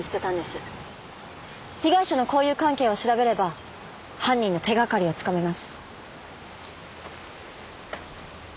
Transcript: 被害者の交友関係を調べれば犯人の手掛かりをつかめます。